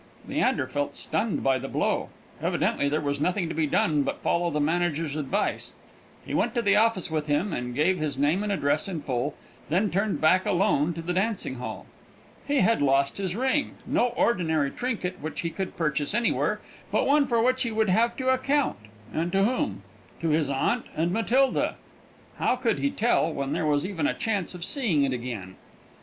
Leander felt stunned by the blow; evidently there was nothing to be done but follow the manager's advice. He went to the office with him, and gave his name and address in full, and then turned back alone to the dancing hall. He had lost his ring no ordinary trinket which he could purchase anywhere, but one for which he would have to account and to whom? To his aunt and Matilda. How could he tell, when there was even a chance of seeing it again?